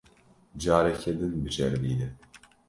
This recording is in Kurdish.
Careke din biceribîne.